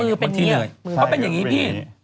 มือเป็นอย่างงี้